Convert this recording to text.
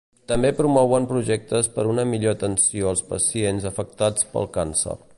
També promouen projectes per una millor atenció als pacients afectats pel càncer.